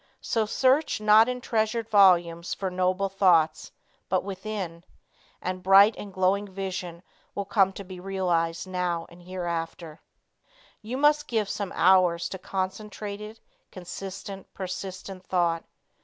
So search not in treasured volumes for noble thoughts, but within, and bright and glowing vision will come to be realized now and hereafter. You must give some hours to concentrated, consistent, persistent thought.